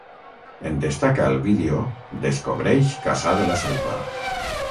En destaca el vídeo "Descobreix Cassà de la Selva".